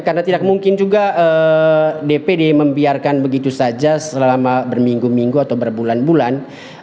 karena tidak mungkin juga dpd membiarkan begitu saja selama berminggu minggu atau berbulan bulan